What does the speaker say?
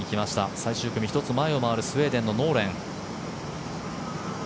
最終組の１つ前を回るスウェーデンのノーレン。